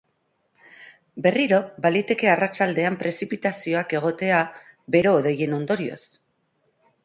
Berriro, baliteke arratsaldean prezipitazioak egotea, bero-hodeien ondorioz.